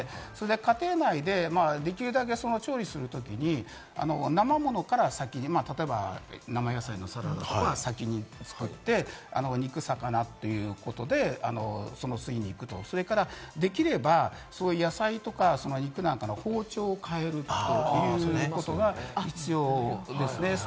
家庭内でできるだけ調理するときに生ものから先に例えば、生野菜のサラダとかを先に作って、肉や魚ということで、その次に行くと、できれば野菜とか肉なんかも包丁をかえるとかということが必要ですよね。